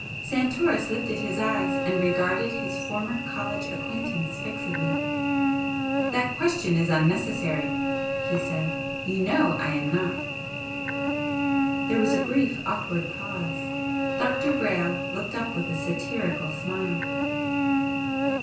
Santoris lifted his eyes and regarded his former college acquaintance fixedly. "That question is unnecessary" he said "You know I am not." There was a brief awkward pause. Dr. Brayle looked up with a satirical smile.